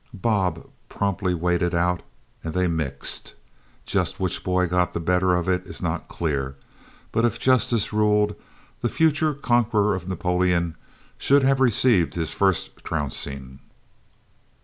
Bob promptly waded out, and they "mixed." Just which boy got the better of it is not clear, but if justice ruled, the future conqueror of Napoleon should have received his first trouncing.